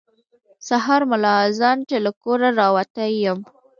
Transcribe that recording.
سهار ملا اذان چې له کوره راوتی یم.